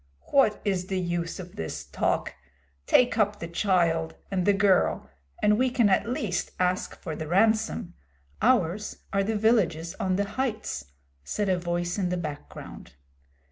'What is the use of this talk? Take up the child and the girl, and we can at least ask for the ransom. Ours are the villages on the heights,' said a voice in the background.